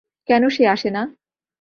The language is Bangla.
কেন সে আসে না?